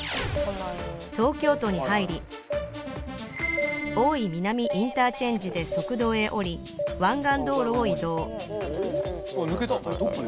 東京都に入り大井南インターチェンジで側道へ降り湾岸道路を移動・抜けた。